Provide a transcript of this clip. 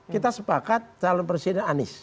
kita sepakat calon presiden anies